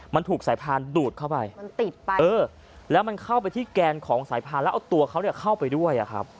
มันถูกสายพานดูดเข้าไปแล้วมันเข้าไปที่แกนของสายพานแล้วเอาตัวเขาเข้าไปด้วย